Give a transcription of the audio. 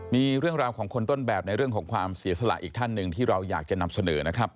มีเรื่องราวของคนต้นแบบในเรื่องของความเสียสละอีกท่านหนึ่งที่เราอยากจะนำเสนอนะครับ